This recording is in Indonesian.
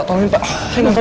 ayo kita bawa ke ruang dokter